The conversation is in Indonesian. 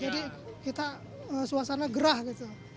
di luar sana gerah gitu